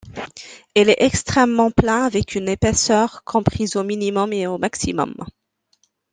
Il est extrêmement plat avec une épaisseur comprise au minimum et au maximum.